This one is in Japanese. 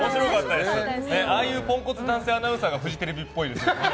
ああいうポンコツ男性アナウンサーがフジテレビっぽいですよね。